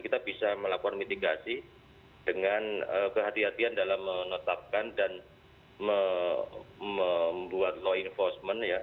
kita bisa melakukan mitigasi dengan kehatian kehatian dalam menetapkan dan membuat law enforcement ya